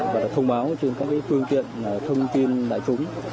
và được thông báo trên các cái phương tiện thông tin đại chúng